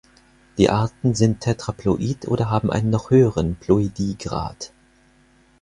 Die Arten sind tetraploid oder haben einen noch höheren Ploidiegrad.